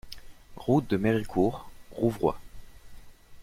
Route de Méricourt, Rouvroy